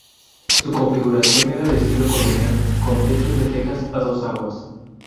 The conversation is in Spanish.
Su configuración era de estilo colonial, con techos de tejas a dos aguas.